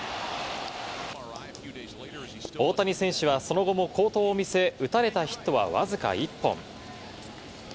大谷選手はその後も好投を見せ、打たれたヒットはわずか１本。